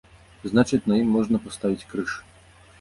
Значыць, на ім можна паставіць крыж.